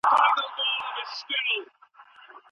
ولي هڅاند سړی د مخکښ سړي په پرتله ډېر مخکي ځي؟